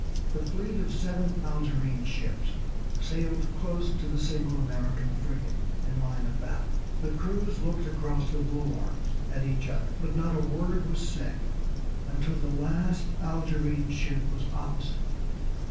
The fleet of seven Algerine ships sailed close to the single American frigate in line of battle. The crews looked across the bulwarks at each other, but not a word was said until the last Algerine ship was opposite.